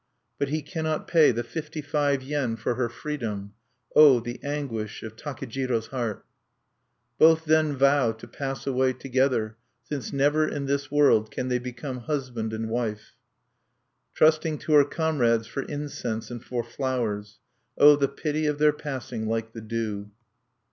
"But he cannot pay the fifty five yen for her freedom O the anguish of Takejiro's heart! "Both then vow to pass away together, since never in this world can they become husband and wife.... "Trusting to her comrades for incense and for flowers _O the pity of their passing like the dew!